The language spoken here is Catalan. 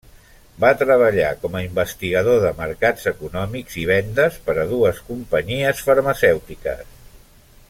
Va treballar com a investigador de mercats econòmics i vendes per a dues companyies farmacèutiques.